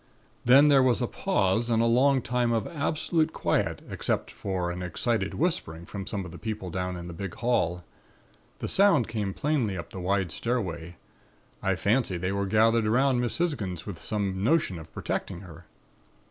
"Then there was a pause and a long time of absolute quiet except for an excited whispering from some of the people down in the big hall. The sound came plainly up the wide stairway. I fancy they were gathered 'round Miss Hisgins, with some notion of protecting her.